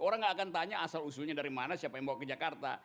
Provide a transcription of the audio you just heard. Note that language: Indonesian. orang nggak akan tanya asal usulnya dari mana siapa yang bawa ke jakarta